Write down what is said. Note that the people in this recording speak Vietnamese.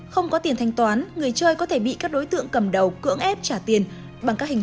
không có tiền thanh toán người chơi có thể bị các đối tượng cầm đầu cưỡng ép trả tiền bằng các hình